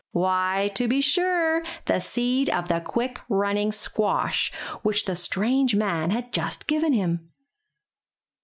Why, to be sure, the seed of the quick running squash, which the strange man had just given him.